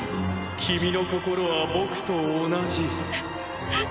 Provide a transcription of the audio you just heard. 君の心は僕と同じ。